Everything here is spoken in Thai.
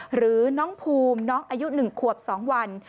หรือน้องภูมิน้องอายุ๑ขวบ๒วัน